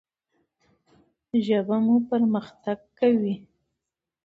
ژبه مو پرمختګ وکړي.